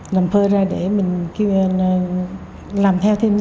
làm phơi ra để mình làm theo thêm